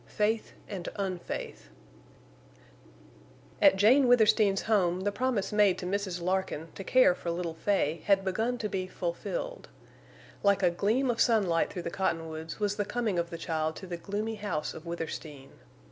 FAITH AND UNFAITH At Jane Withersteen's home the promise made to Mrs. Larkin to care for little Fay had begun to be fulfilled. Like a gleam of sunlight through the cottonwoods was the coming of the child to the gloomy house of Withersteen.